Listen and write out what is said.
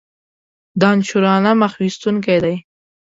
دانشورانه مخ ویستونکی دی.